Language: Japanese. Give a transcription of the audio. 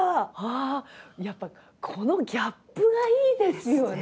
やっぱこのギャップがいいですよね。